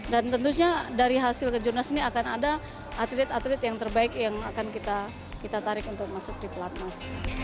dan tentunya dari hasil kejuaran ini akan ada atlet atlet yang terbaik yang akan kita tarik untuk masuk di pelatnas